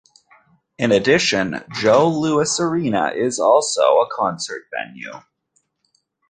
In addition, Joe Louis Arena is also a concert venue.